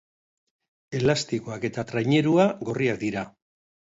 Elastikoak eta trainerua gorriak dira.